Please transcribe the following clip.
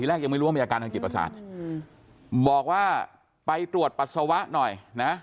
แรกยังไม่รู้ว่ามีอาการทางจิตประสาทบอกว่าไปตรวจปัสสาวะหน่อยนะ